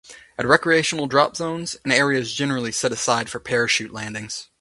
At recreational drop zones, an area is generally set side for parachute landings.